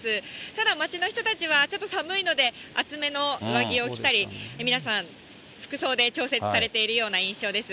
ただ街の人たちは、ちょっと寒いので、厚めの上着を着たり、皆さん服装で調節されているような印象です。